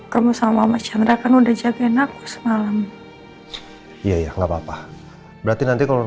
kamu sama mas chandra kan udah jagain aku semalam iya ya nggak apa apa berarti nanti kalau